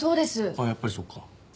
あっやっぱりそうか。